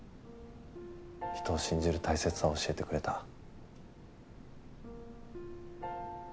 人を信じる大切さを教えてくれた。